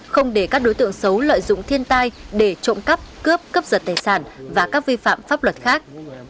không để các đối tượng xấu lợi dụng thiên tai để trộm cắp cướp cướp giật tài sản và các vi phạm pháp luật khác